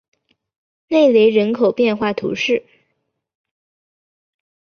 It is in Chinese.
内雷人口变化图示